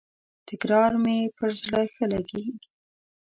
تکرار مي پر زړه ښه لګیږي.